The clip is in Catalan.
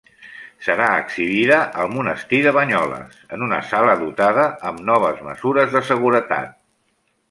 Serà exhibida al monestir de Banyoles, en una sala dotada amb noves mesures de seguretat.